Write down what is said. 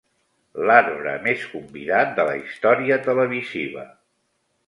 L'arbre més convidat de la història televisiva.